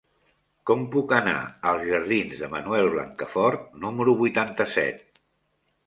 Com puc anar als jardins de Manuel Blancafort número vuitanta-set?